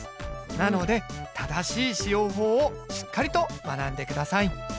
なので正しい使用法をしっかりと学んでください。